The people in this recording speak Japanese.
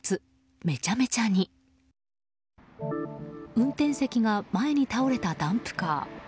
運転席が前に倒れたダンプカー。